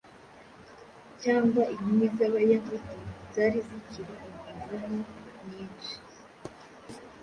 Cyangwa inkumi z'Abayahudi zari zikiri imivumo nyinshi,